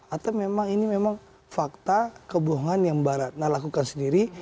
atau ini memang fakta kebohongan yang baratna lakukan sendiri